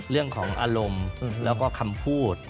เรื่องของอารมณ์แล้วก็คำพูด